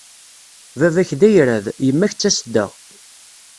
Baba-k d ayrad, yemma-k d tasedda.